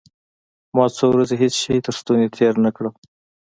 ما څو ورځې هېڅ شى تر ستوني تېر نه کړل.